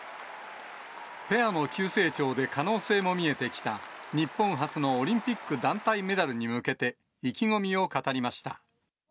ペアの急成長で可能性も見えてきた、日本初のオリンピック団体メダルに向けて、意気込みを語りました。